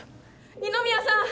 二宮さん！